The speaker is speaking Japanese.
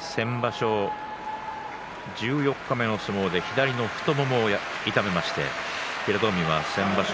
先場所、十四日目の相撲で左の太ももを痛めまして平戸海は先場所